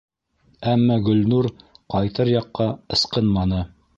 Әммә Гөлнур ҡайтыр яҡҡа «ысҡынманы».